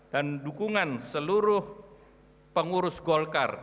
dan dukungan seluruh pengurus golkar